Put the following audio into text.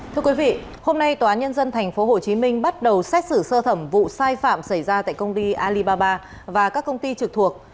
thưa quý vị hôm nay tòa nhân dân tp hcm bắt đầu xét xử sơ thẩm vụ sai phạm xảy ra tại công ty alibaba và các công ty trực thuộc